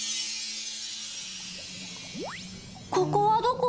ここはどこ？